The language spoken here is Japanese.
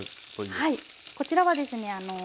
こちらはですね